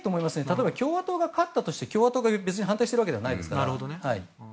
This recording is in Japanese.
例えば共和党が勝ったとして共和党が別に反対しているわけではないですから。